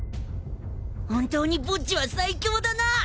本当にボッジは最強だな！